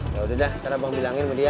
yaudah dah ternyata bang bilangin sama dia